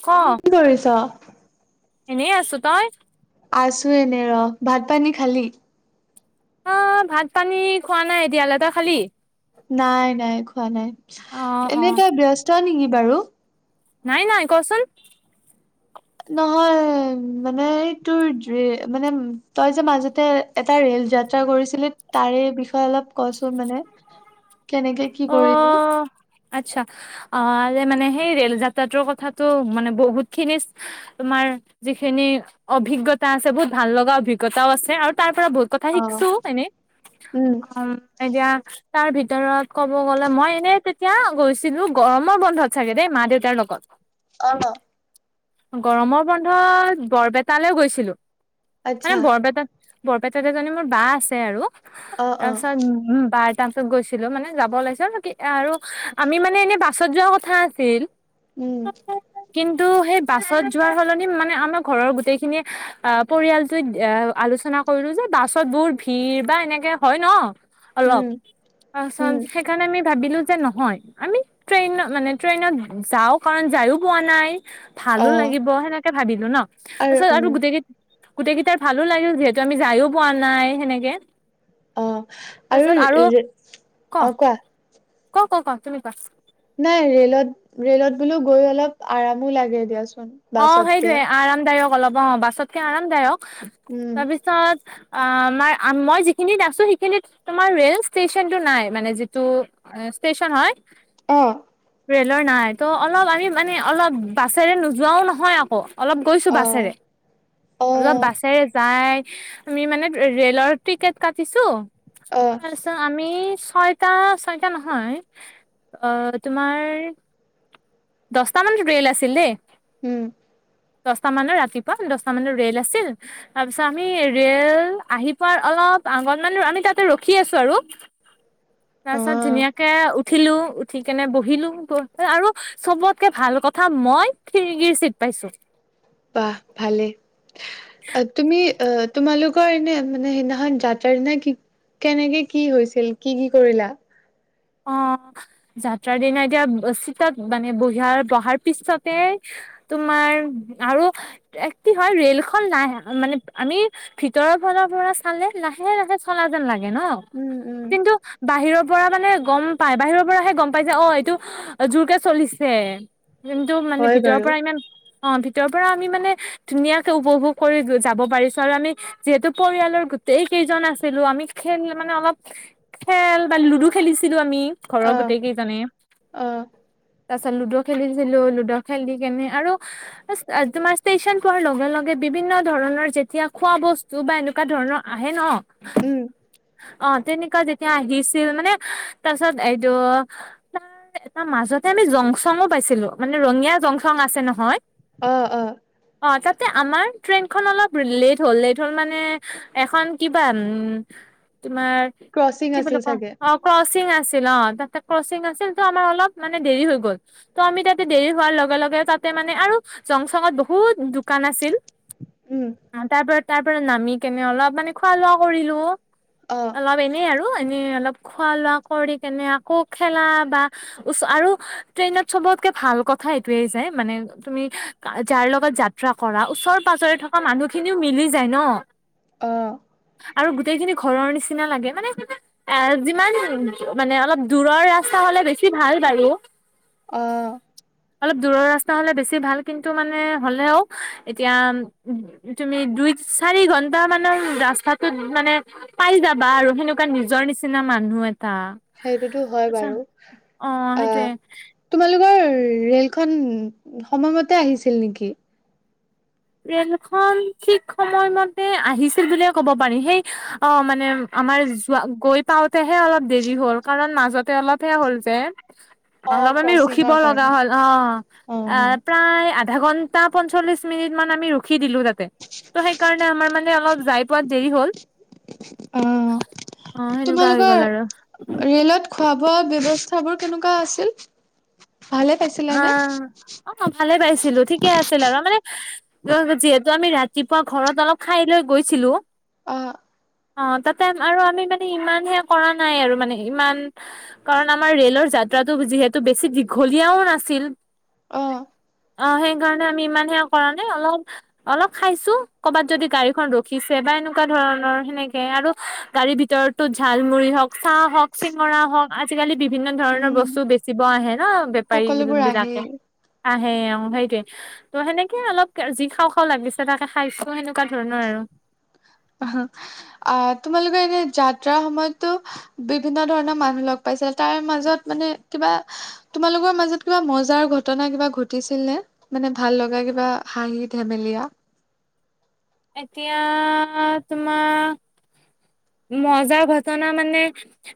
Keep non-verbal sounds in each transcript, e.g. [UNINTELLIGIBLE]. ক অ', কি কৰিছ? [INAUDIBLE] এনেই আছো, তই? আছো এনে ৰ', ভাত পানী খালি? অঁ, ভাত পানী খোৱা নাই এতিয়ালে, তই খালি? নাই নাই খোৱা নাই। অ অ এনে তই ব্যস্ত নেকি? বাৰু। নাই নাই ক'চোন। নহয় মানে তোৰ মানে, তই যে মাজতে এটা ৰেল যাত্ৰা কৰিছিলি, তাৰে বিষয়ে অলপ ক'চোন মানে, কেনেকে কি অ কৰিলি? আচ্ছা অ', মানে সেই ৰেল যাত্ৰাটোৰ কথাটো মানে, বহুতখিনি তোমাৰ যিখিনি অভিজ্ঞতা আছে বহুত ভাল লগা অভিজ্ঞতাও আছে আৰু তাৰ পৰা বহুত কথা অ' শিকছো এনে, উম অম এতিয়া তাৰ ভিতৰত ক'ব গ'লে, মই এনেই তেতিয়া গৈছিলো, গৰমৰ বন্ধত চাগে দেই মা দেউতাৰ লগত। অঁ, ল গৰমৰ বন্ধত বৰপেটালৈ গৈছিলো। মানে আচ্ছা বৰপেটা বৰপেটাত এজনী মোৰ বা আছে আৰু। অ', অঁ। বা তাৰ ওচৰত গৈছিলো মানে, যাব ওলাইছোঁ কি আৰু আমি মানে এনে বাছত যোৱা কথা আছিল। উম, কিন্তু সেই বাছত যোৱাৰ সলনি মানে আমাৰ ঘৰৰ গোটেইখিনি আহ, পৰিয়ালটোৱে এ আলোচনা কৰিলো যে বাছত বহুত ভিৰ বা এনেকে হয় ন। অলপ উম উম সেইকাৰণে আমি ভাবিলো। যে নহয় আমি ট্ৰেইনত মানে ট্ৰেইনত যাও কাৰণ যায়ও পোৱা নাই। ভালো অ' লাগিব সেনেকে ভাবিলো ন তাৰ পিছত আৰু গোটেই কেই গোটেইকেইটাৰ ভালো লাগিল যিহেতু আমি যায়ও পোৱা নাই সেনেকে। অহ' আৰু অহ'কোৱা? ক - ক - ক - ক তুমি কোৱা? নাই ৰেলত - ৰেলত বোলো গৈ অলপ আৰামো লাগে দিয়াচোন। অহ' বাছতকে। সেইটয়ে আৰামদায়ক। ক'ব লাগিব অহ ' বাছতকে আৰামদায়ক। উম তাৰপিছত আমাৰ মই যিখিনিত আছো সেইখিনিত তোমাৰ ৰে'ল ষ্টেচনটো নাই, মানে যিটো ষ্টেচন হয়। অহ ', ৰে'লৰ নাই ত' অলপ আমি মানে অলপ বাছেৰে যোৱাও নহয় আকৌ। অলপ গৈছো অ বাছেৰে অ অলপ বাছেৰে যায়। আমি মানে ৰেলৰ টিকেট কাটিছো তাৰপিছত আমি ছয়টা - ছয়টা নহয় অহ 'তোমাৰ দসটামান ৰেল আছিল দেই। উম। দশটামানৰ ৰাতিপুৱা দশটামানত ৰে'ল আছিল, তাৰপিছত আমি ৰে'ল আহি পোৱাৰ অলপ আগণমান আমি তাতে ৰখি আছো আৰু। অ তাৰপিছত ধুনীয়াকে উ উঠিলো উঠি কেনে বহিলো আৰু চবতকে ভাল কথা মই খিৰিকিৰ চিট পাইছো। ৱাহ ভালে আ তুমি অহ তোমালোকৰ এনে মানে সেইদিনাখন যাত্ৰাৰ দিনা, কি কেনেকে কি হৈছিল কি - কি কৰিলা? অহ' যাত্ৰাৰ দিনা এতিয়া চিটত মানে বহিয়া বহাৰ পিছতে তোমাৰ আৰু এক কি হয় ৰে'ল খন লাহ মানে আমি ভিতৰৰ ফালৰ পৰা চালে লাহে - লাহে চলা যেন লাগে। ন উম উম কিন্তু বাহিৰৰ পৰা মানে গম পাই বাহিৰৰ পৰাহে গম পাইছে অহ' এইটো জোৰকে চলিছে। কিন্তু মানে হয় ভিতৰৰ বাৰু পৰা ইমান অহ'ভিতৰৰ পৰা আমি মানে ধুনীয়াকে উপভোগ কৰি যাব পাৰিছো আৰু আমি যিহেতু পৰিয়ালৰ গোটেই কেইজন আছিলো আমি খেল মানে অলপ খেল বা লুডু খেলি ছিলো আমি। ঘৰৰ অ গোটেই কেইজনে। অ তাৰ পাছত লুডো খেলিছিলো লুডো খেলি কেনে আৰু তোমাৰ ষ্টেচন পোৱাৰ লগে লগে বিভিন্ন ধৰণৰ যেতিয়া খোৱা বস্তু বা এনেকুৱা ধৰণৰ আহে ন। উম। অ', তেনেকুৱা যেতিয়া আহিছিল মানে তাৰপিছত এইটো, তাৰ তাৰ মাজতে আমি জংছংউ পাইছিলো, মানে ৰঙিয়া জংছং আছে নহয়। অ', অ'। অ', তাতে আমাৰ ট্ৰেইনখন অলপ লেট হ'ল লেট হ'ল মানে এখন কিবা তোমাৰ, ক্ৰচিং কি বুলি আছিল কওঁ চাগে অ', ক ক্ৰচিং আছিল অ', তাতে ক্ৰচিং আছিল ত' আমাৰ অলপ মানে দেৰি হৈ গ'ল ত' আমি তাতে দেৰি হোৱাৰ লগে লগে তাতে মানে আৰু জংচঙত বহুত দোকান আছিল। উম অ', তাৰপ তাৰ পৰা নামি কেনে অলপ মানে খোৱা লোৱা কৰিলো। অ অলপ এনেই আৰু। এনেই, অলপ খোৱা লোৱা কৰি কেনে আকৌ খেলা বা চ আৰু ট্ৰেইনত চবতকে ভাল কথা এইটোয়ে যে মানে তুমি যাৰ লগত যাত্ৰা কৰা ওচৰে পাজৰে থকা মানুহ খিনিও মিলি যায় ন। অ'। আৰু গোটেই খিনি ঘৰৰ নিচিনা লাগে, মানে এ যিমান মানে অলপ দূৰৰ ৰাস্তা হলে বেছি ভাল বাৰু। আহ। অলপ দূৰৰ ৰাস্তা হলে বেছি ভাল কিন্তু মানে হলেও, এতিয়া তুমি দুই চাৰি ঘন্টা মানে ৰাস্তাটোত, মানে পাই যাবা আৰু সেনেকুৱা নিজৰ নিচিনা মানুহ এটা সেইটোতো হয় আচ্ছা বাৰু, অ আ, সেইটোয়ে তোমালোকৰ ৰেলখন, সময়মতে আহিছিল নেকি? ট্ৰেনখন ঠিক সময়মতে আহিছিল বুলিয়ে ক'ব পাৰি, সেই আ মানে আমাৰ যোৱা গৈ পাওঁতেহে অলপ দেৰি হ'ল কাৰণ মাজতে অলপহে হ'ল যে। অ অলপ আমি ৰখিব ক্ৰচিঙৰ লগা কাৰণে হ'ল, অ', অ আহ প্ৰায় আধা ঘন্টামান তা পঞ্চলিশ মিনিট মান আমি ৰখি ৰখি দিলো তাতে, ত সেইকাৰণে আমাৰ মানে অলপ যাই পোৱাত দেৰি হল, অ অ 'সেনেকুৱা হৈ তোমালোকৰ গল আৰু। ৰেলত খোৱা বোৱা ব্যৱস্থাবোৰ কেনেকুৱা আছিল? ভালে অ' পাইছিলানে? অ', মই ভালে পাইছিলো ঠিকে আছিল আৰু মানে যিহেতু টো আমি ৰাতিপুৱা ঘৰত অলপ খাই লৈ গৈছিলো। অ'। অ' তাতে আৰু আমি মানে ইমানহে কৰা নাই আৰু মানে ইমান কাৰণ আমাৰ ৰেলৰ যাত্ৰাটো যিহেতু বেছি দীঘলীয়াও নাছিল নাছিল। আহ। অ' সেইকাৰণে আমি ইমান সে কৰা নাই, অলপ অলপ খাইছো, কৰ'বাত যদি গাড়ীখন ৰখিছে বা এনেকুৱা ধৰণৰ সেনেকে আৰু গাড়ীৰ ভিতৰতো ঝালমৰি হওঁক চাহ হওক চিঙৰা হওক আজিকালি বিভিন্ন ধৰণৰ উম বস্তু বেছি বিকিব আহে ন। সেই সকলোবোৰ বিলাকে, আহেই আহে অ' সেইটোৱেই, ত', সেনেকে অলপ যি খাওঁ খাওঁ লাগিছে তাকে খাইছোঁ, সেনেকুৱা ধৰণৰ আৰু অ', তোমালোকে এনে যাত্ৰাৰ সময়ততো বিভিন্ন ধৰণৰ মানুহ লগ পাইছিলা, তাৰে মাজত মানে কিবা তোমালোকৰ মাজত কিবা মজাৰ ঘটনা কিবা ঘটিছিল নে, মানে ভাল লগা কিবা হাঁহি ধেমেলীয়া? এতিয়া তোমাৰ মজা ঘটনা মানে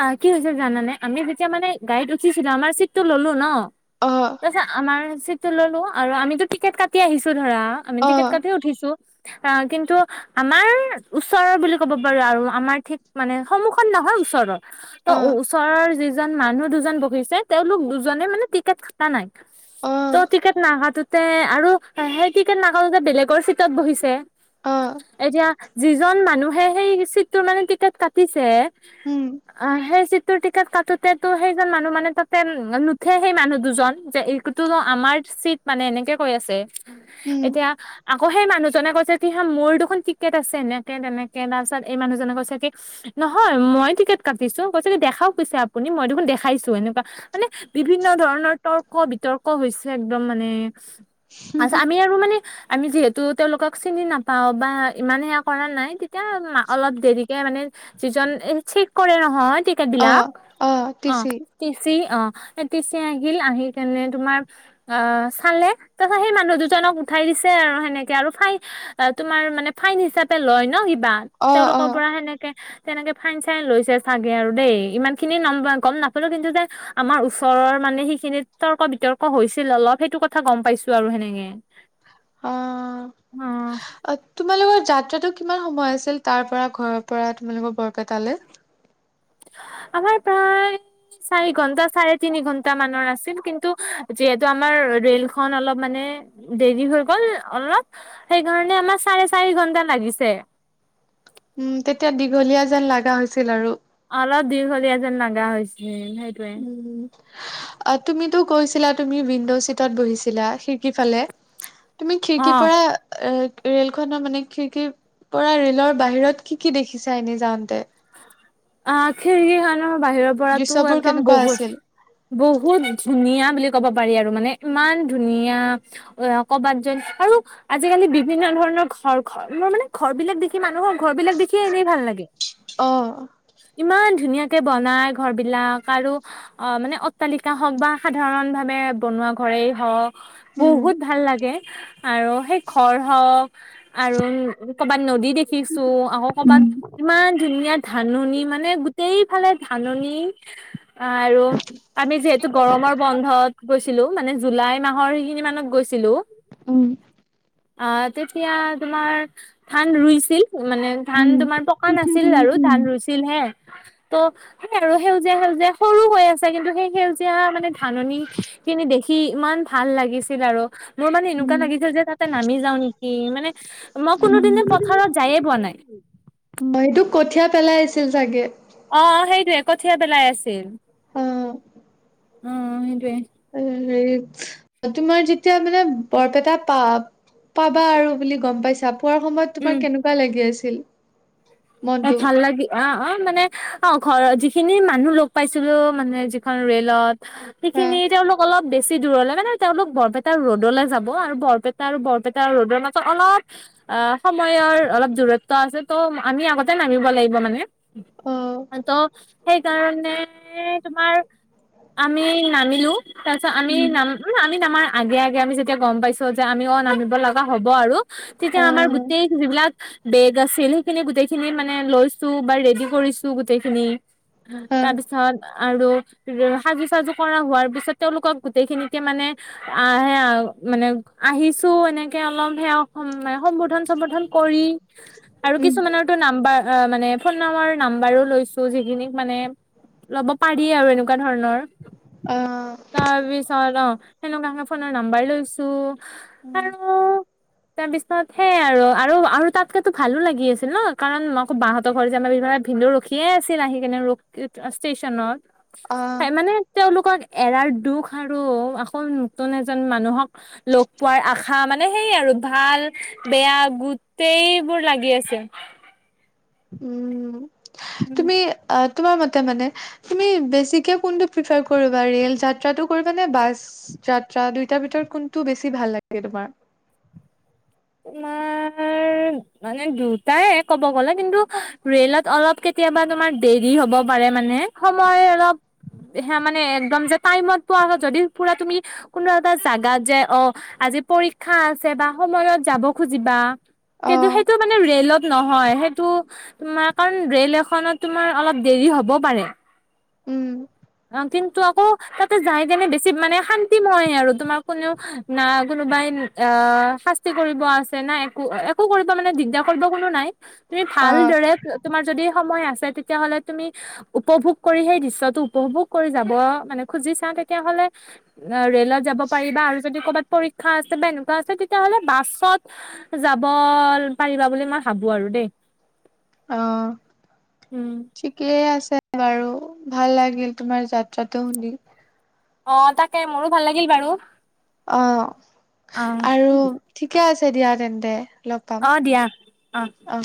অ', কি হৈছিল জানানে, আমি যেতিয়া মানে গাড়ীত উঠিছিলো, আমাৰ চিটটো ল'লো ন অ তাৰপিছত আমাৰ চিট টো ল'লো আৰু আমিতো টিকট কাটি আহিছো ধৰা আমি টিকেট কাটিয়ে উঠিছোঁ আ, কিন্তু আমাৰ ওচৰৰ বুলি ক'ব পাৰোঁ আৰু আমাৰ ঠিক মানে সন্মুখত নহয়, ওচৰত ত', ওচৰৰ যি দুজন, মানুহ দুজন বহিছে, তেওঁলোক দুজনে মানে টিকট কটা নাই। ত', টিকট নোহোৱাটোত তে' আৰু সিই টিকট নাকাটি বেলেগৰ চিটত বহিছে। এতিয়া যিজন মানুহে সেই চিট তোৰ মানে টিকেট কাটিছে আ, সেই চিট তোৰ টিকেট কাটোতে, তোৰ সেইজন মানুহ মানে তাতে নুঠে। সেই মানুহ দুজন যে, এইটোতো আমাৰ চিট মানে, এনেকৈ কৈ আছে উম এতিয়া আকৌ সেই মানুহজনে কৈছে কি হা মোৰ দুখখন টিকেট আছে এনেকে-তেনেকে তাৰপিছত এই মানুহজনে কৈছে কি, নহয় মই টিকেট কাটিছো কৈছে কি দেখাও কৈছে আপুনি মই দেখোন দেখাইছো এনেকুৱা মানে বিভিন্ন ধৰণৰ তৰ্ক বিতৰ্ক হৈছে একদম মানে। আছ আমি আৰু মানে আমি যিহেতু তেওঁলোকক চিনি নাপাও বা ইমান সেয়া কৰা নাই তেতিয়া অলপ দেৰি। মানে যিজন ইঞ্চীত কৰে নহয়। অ অ [UNINTELLIGIBLE] টিচি টি চ আহিল আহি কেনে তোমাৰ, অ চালে তাৰপিছত সেই মানুহ দুজনক উঠাই দিছে আৰু সেনেকে আৰু ফাইন, তোমাৰ মানে ফাইন হিচাপে লয় ন কিবা। অ অ অ তেওঁলোকৰ পৰা সেনেকে। তেনেকে ফাইন চাইন লৈছে চাগে আৰু দেই ইমান খিনি নম গম নাপালো কিন্তু যে, আমাৰ ওচৰৰ মানে সিখিনিত তৰ্ক বিতৰ্ক হৈছিল অলপ সেইটো কথা গম পাইছো আৰু সেনেকে। অ অ' তোমালোকৰ যাত্ৰাটো কিমান সময় আছিল তাৰ পৰা ঘৰৰ পৰা তোমালোকৰ বৰপেটালে। আমাৰ প্ৰায়, চাৰি ঘণ্টা সৰেতিনি ঘণ্টা মানৰ আছিল কিন্তু, যিহেতু আমাৰ ৰেলখন অলপ মানে, দেৰি হৈ গল অলপ, সেইকাৰনে অমৰ সাৰেচাৰি ঘণ্টা লাগিছে। উম তেতিয়া দীঘলীয়া যেন লাগা হৈছিল আৰু। অলপ দীঘলীয়া যেন লাগা হৈছিল। সেইটোৱে। অ', তুমিতো কৈছিলা তুমি উইণ্ডো চিটত বহিছিলা, খিৰিকি ফালে। তুমি অ খিৰিকিৰ পৰা এ ৰেল খনৰ মানে খিৰিকিৰ পৰা ৰেলৰ বাহিৰত কি কি দেখিছা এনে যাওঁতে। [UNINTELLIGIBLE] বাহিৰৰ পৰাতো দৃশ্যবোৰ একদম কেনেকুৱা বহুত, আছিল বহুত ধুনীয়া- বুলি ক'ব পাৰি আৰু মানে, ইমান ধুনীয়া অ কবাত যেন, আৰু আজিকালি বিভিন্ন ধৰণৰ ঘৰ, ঘৰ মই মানে ঘৰ বিলাক দেখি মানুহৰ ঘৰ বিলাক দেখিয়ে এনেই ভাল লাগে। অহ। ইমান ধুনীয়াকে বনাই ঘৰবিলাক আৰু, অ', মানে অট্টালিকা হওঁক বা সাধাৰণভাৱে বনোৱা ঘৰেই হওঁক উম বহুত ভাল লাগে। আৰু সেই ঘৰ হওঁক আৰু ক'ৰবাত নদী দেখিছোঁ, আকৌ ক'ৰবাত, ইমান ধাননি মানে গোটেই ফালে ধাননি আৰু, আমি যিহেতু গৰমৰ বন্ধত গৈছিলোঁ মানে জুলাই মাহৰ সেইখিনি মানত গৈছি ছিলোঁ উম অ', তেতিয়া তোমাৰ ধান ৰুইছিল, মানে ধান উম তোমাৰ পকা নাছ কঠিয়া পেলাইছে ধান মানে। ৰুইছিলহে, ত', সেই আৰু সেউজীয়া-সেউজীয়া সৰু হৈ আছে, কিন্তু সেই সেউজীয়া মানে ধাননিখিনি দেখি ইমান ভাল লাগিছিল আৰু মোৰ মানে এনেকুৱা উম লাগিছিল যে, তাতে নামি যাওঁ নেকি, মানে মই কোনো উম। দিনে পথাৰত যায়ে পোৱা নাই। কঠিয়া পেলাই আছিল চাগে। অ', সেইটোৱে কঠিয়া পেলাই আছিল। অ'। অ', সেইটোৱে হেৰি তোমাৰ যেতিয়া মানে বৰপেটা পা-পাবা আৰু বুলি গম পাইছা পোৱাৰ সময়ত তোমাৰ উম কেনেকুৱা লাগি আছি ছিল এ, ভাল, লাগি অ' অ', মানে অ', ঘৰ যিখিনি মানুহ লগ পাইছিলোঁ, মানে যিখন ৰে'লত হা সেইখিনি তেওঁলোক অলপ বে বেছি দূৰলে মানে তেওঁলোক বৰপেটাৰ ৰডলে যাব, আৰু বৰপেটা আৰু বৰপেটা ৰডৰ মাজত অলপ অ', সময়ৰ অলপ দূৰত্ব আছে ত' আমি আগতে তে, নামিব লাগিব মানে। অ ত' সেইকাৰণে তোমাৰ আমি নামিলো তাৰপিছত আমি উম না [UNINTELLIGIBLE] আমি নামাৰ আগে, আগে আমি যেতিয়া গম পাইছোঁ যে, আমিও নামিব লগা হ'ব আৰু তেতিয়া অ আমাৰ গোটেই যিবিলাক বেগ আছিল, সেইখিনি গোটেই খিনি মানে লৈছোঁ, বা ৰেডি কৰিছোঁ গোটেইখিনি। অ তাৰপিছত আৰু সাজু চাজু কৰা হোৱাৰ পিছত তেওঁলোকক গোটেইখিনিতে মানে আহ সেয়া মানে আহিছো এনেকে অলপ সেয়া সম্বন্ধন সম্বোধন কৰি আৰু উম কিছুমানৰ মানে ফোন নামৰ নাম্বাৰো লৈছো যিখিনিক মানে ল'ব পাৰি আৰু এনেকুৱা ধৰণৰ। অ তাৰপিছত অঁ। সেনেকোৱা ফোনৰ নাম্বাৰ লৈছো। উম, আৰু তাৰপিছত সেইয়াই আৰু আৰু তাতকেতো ভালো লাগি আছিল ন। কাৰণ নকবা বাহতৰ ঘৰ যে আমাৰ বি ভিনদেউ ৰখিয়ে আছিল আহিকিনে ৰখ ষ্টেচনত। সে অ মানে তেওঁলোকক এৰাৰ দুখ আৰু আকৌ নতুন এজন মানুহক লগ পোৱাৰ আশা মানে সেই আৰু ভাল বেয়া গোটেইবোৰ লাগি আছে। উম। উম তুমি আহ? তোমাৰ মতে মানে তুমি বেছিকে কোনটো প্ৰিফাৰ কৰিবা? ৰেল যাত্ৰাটো কৰিবা নে বাছ যাত্ৰা? দুইটাৰ ভিতৰত কোনটো বেছি ভাল লাগে তোমাৰ? তোমাৰ মানে দুটাই ক'ব গ'লে কিন্তু ৰেলত অলপ কেতিয়াবা তোমাৰ দেৰি হ'ব পাৰে মানে, সময় অলপ সে মানে একদম যে টাইমত পোৱা হয় যদি পুৰা তুমি কোনোবা এটা জাগাত যে অ আজি পৰীক্ষা আছে বা সময়ত যাব খুজিবা কিন্তু অ', সেইটো মানে ৰেলত নহয়, সেইটো তোমাৰ কাৰণ ৰেল এখনত তোমাৰ অলপ দেৰি হ'ব পাৰে। উম। অন্তিম টো আকৌ, তাতে যায় কেনে বেছি মানে শান্তিময় আৰু তোমাৰ কোনেও না কোনোবাই আহ শাস্তি কৰিব আছে, না একো -একো কৰিব মানে দিগদাৰ কৰিব কোনো নাই। তুমি অ', ভালদৰে তোমাৰ যদি সময় আছে তেতিয়াহলে তুমি উপভোগ কৰি সেই দৃশ্যটো উপভোগ কৰি যাব মানে খুজিছা তেতিয়াহ'লে আ ৰেলত যাব পাৰিবা, আৰু যদি কবাত পৰীক্ষা আছে বা এনেকুৱা আছে। তেতিয়া হ'লে বাছত যাব পাৰিবা বুলি মই ভাবো আৰু দেই। অহ, উম ঠিকেই আছে বাৰু। ভাল লাগিল তোমাৰ যাত্ৰাটো শুনি। অ তাকে, মোৰো ভাল লাগিল বাৰু। অ, অ আৰু ঠিকে আছে দিয়া তেন্তে লগ পাম অহ দিয়া অহ। অ'।